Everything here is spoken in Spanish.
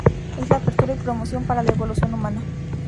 Es la apertura y promoción para la evolución humana.